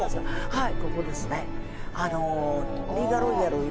はい。